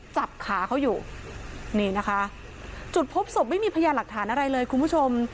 จับขาเขาอยู่นี่นะคะจุดพบศพไม่มีพยาหลักฐานอะไรเลยคุณผู้ชม